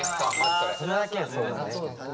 それだけはそうだね。